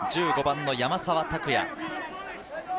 １５番の山沢拓也。